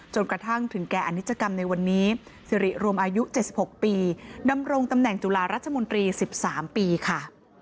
จนกระทั่งถึงแก่อนิจกรรมในวันนี้สิริรวมอายุ๗๖ปีดำรงตำแหน่งจุฬารัฐมนตรี๑๓ปีค่ะ